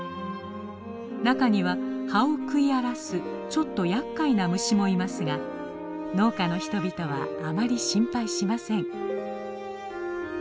中には葉を食い荒らすちょっとやっかいな虫もいますが農家の人々はあまり心配しません。